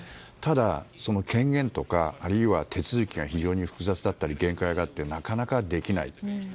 ただ、その権限とかあるいは手続きが非常に複雑だったり限界があってなかなかできない。